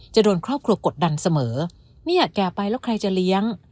จะโดนครอบครัวกดดันเสมอเนี่ยแก่ไปแล้วใครจะเลี้ยง